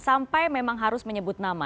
sampai memang harus menyebut nama